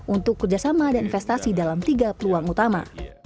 untuk kerjasama dan investasi dalam tiga peluang utama